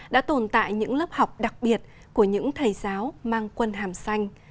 đã tồn tại những lớp học đặc biệt của những thầy giáo mang quân hàm xanh